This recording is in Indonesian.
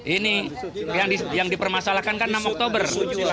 ini yang dipermasalahkan kan enam oktober